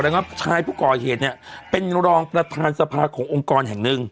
แล้วก็ชายผู้ก่อเหตุเนี่ยเป็นรองประธานสภาขององค์กรแห่งหนึ่ง